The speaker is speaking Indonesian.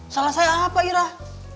salah saya apa irah